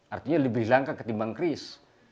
artinya lebih langka ketimbang kris